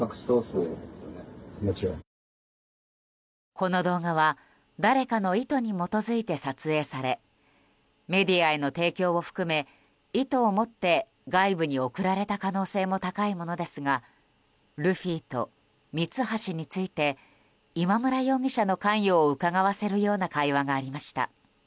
この動画は誰かの意図に基づいて撮影されメディアへの提供を含め意図を持って外部に送られた可能性も高いものですがルフィとミツハシについて今村容疑者の関与をうかがわせるような会話がありました。